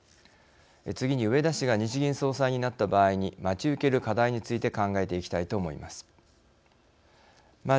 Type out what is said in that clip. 次に、植田氏が日銀総裁になった場合に待ち受ける課題について考えていきたいと思います。